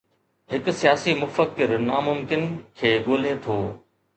هڪ سياسي مفڪر ناممڪن کي ڳولي ٿو.